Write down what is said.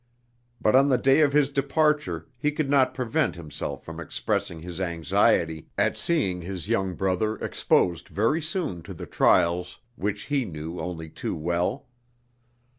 But on the day of his departure he could not prevent himself from expressing his anxiety at seeing his young brother exposed very soon to the trials which he knew only too well.